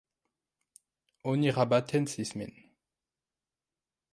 Oni rabatencis min!